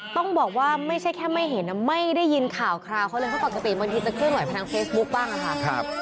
ต้องบอกว่าไม่ใช่แค่ไม่เห็นไม่ได้ยินข่าวคราวเขาเลยก็ปกติมนตรีตะเครื่องหน่วยพลังเฟซบุ๊กบ้างนะครับ